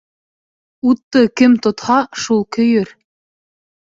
Утты кем тотһа, шул көйөр.